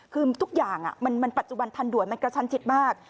คือทุกอย่างมันปัจจุบันทันด่วนมันกระชันชิดมาก